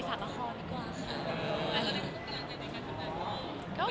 ก็ผ่านการที่แล้ว